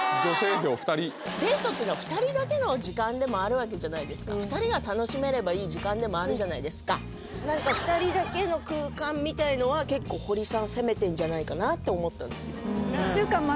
票２人デートっていうのは２人だけの時間でもあるわけじゃないですか２人が楽しめればいい時間でもあるじゃないですか何か２人だけの空間みたいのは結構堀さん攻めてんじゃないかなって思ったんです